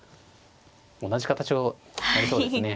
同じ形をやりそうですね。